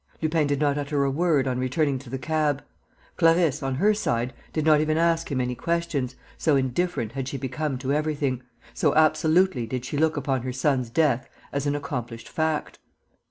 Lupin did not utter a word on returning to the cab. Clarisse, on her side, did not even ask him any questions, so indifferent had she become to everything, so absolutely did she look upon her son's death as an accomplished fact.